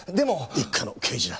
一課の刑事だ。